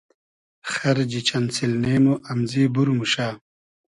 خئرجی چئن سیلنې مو امزی بور موشۂ